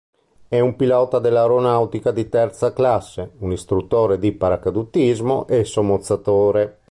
È un pilota dell'Aeronautica di Terza Classe, un istruttore di paracadutismo e sommozzatore.